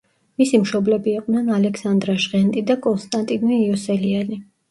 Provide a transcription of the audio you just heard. მისი მშობლები იყვნენ ალექსანდრა ჟღენტი და კონსტანტინე იოსელიანი.